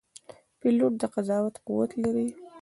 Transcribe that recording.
پیلوټ د قضاوت قوت لري.